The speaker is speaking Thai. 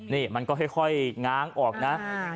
นี่มันก็ค่อยง้างออกนะ